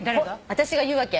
私が言うわけ。